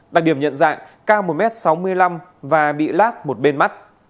đặc điểm nhận dạng cao một m sáu mươi năm và bị lác một bên mắt